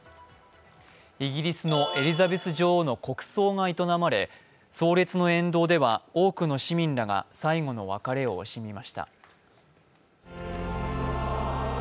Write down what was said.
イギリスのエリザベス女王の国葬が営まれ、葬列の沿道では、多くの市民らが最後の別れを惜しみました。